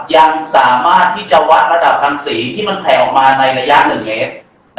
ยังสามารถที่จะวัดระดับทางสีที่มันแผ่ออกมาในระยะ๑เมตร